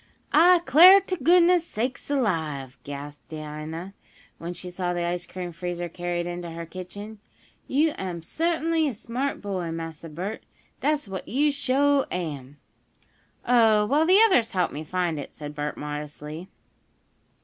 "I 'clar t' goodness sakes alive!" gasped Dinah, when she saw the ice cream freezer carried into her kitchen, "yo' am suttinly a smart boy, Massa Bert dat's what yo' suah am!" "Oh, well, the others helped me find it," said Bert, modestly.